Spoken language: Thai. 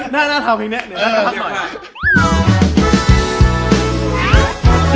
หน้าเท้าแหงแน่